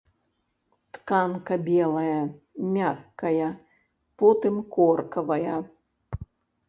Тканка белая, мяккая, потым коркавая.